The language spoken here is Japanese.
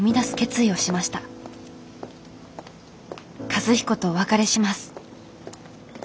和彦とお別れします。